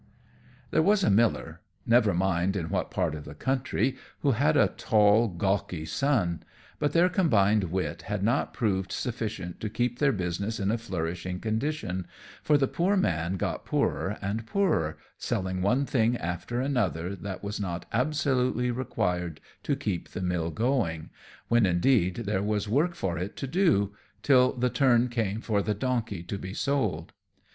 _ There was a miller, never mind in what part of the country, who had a tall, gawky son; but their combined wit had not proved sufficient to keep their business in a flourishing condition, for the poor man got poorer and poorer, selling one thing after another that was not absolutely required to keep the mill going, when, indeed, there was work for it to do, till the turn came for the donkey to be sold.